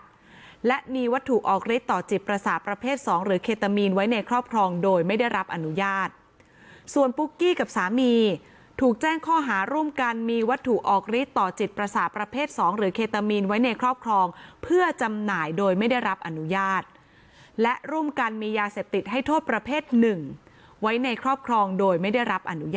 และมีวัตถุออกฤทธิต่อจิตประสาทประเภทสองหรือเคตามีนไว้ในครอบครองโดยไม่ได้รับอนุญาตส่วนปุ๊กกี้กับสามีถูกแจ้งข้อหาร่วมกันมีวัตถุออกฤทธิต่อจิตประสาทประเภท๒หรือเคตามีนไว้ในครอบครองเพื่อจำหน่ายโดยไม่ได้รับอนุญาตและร่วมกันมียาเสพติดให้โทษประเภทหนึ่งไว้ในครอบครองโดยไม่ได้รับอนุญาต